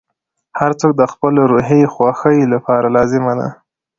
• هر څوک د خپل روحي خوښۍ لپاره لازمه ده.